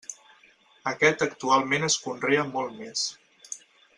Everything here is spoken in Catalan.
Aquest actualment es conrea molt més.